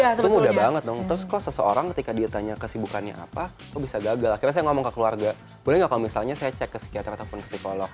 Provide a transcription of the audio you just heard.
iya itu mudah banget dong terus kok seseorang ketika dia tanya kesibukannya apa kok bisa gagal akhirnya saya ngomong ke keluarga boleh nggak kalau misalnya saya cek ke psikiater ataupun ke psikolog